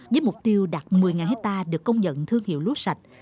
với mục tiêu đạt một mươi hectare được công nhận thương hiệu lúa sạch